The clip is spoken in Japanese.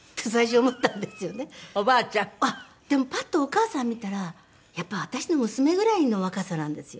でもパッとお母さん見たらやっぱ私の娘ぐらいの若さなんですよ。